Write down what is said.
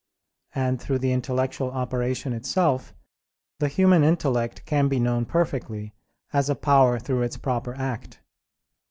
And through the intellectual operation itself, the human intellect can be known perfectly, as a power through its proper act.